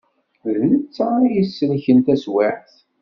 D netta ay isellken taswiɛt.